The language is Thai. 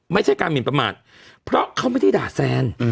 ไม่ใช่การหมินประมาทเพราะเขาไม่ได้ด่าแซน